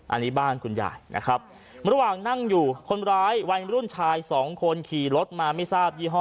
อันนี้บ้านคุณยายนะครับระหว่างนั่งอยู่คนร้ายวัยรุ่นชายสองคนขี่รถมาไม่ทราบยี่ห้อ